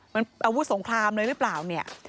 มันอาวุธสงครามเลยหรือเปล่าเนี่ย